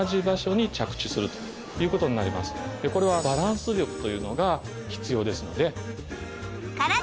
これはバランス力というのが必要ですので。